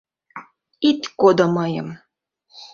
Ит кодо мыйым!..